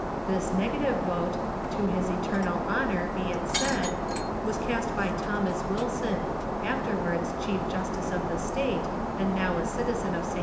This negative vote, to his eternal honor be it said, was cast by Thomas Wilson, afterwards chief justice of the state, and now a citizen of St. Paul.